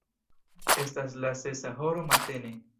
Estas la sesa horo matene.